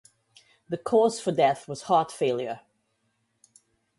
The cause for death was heart failure.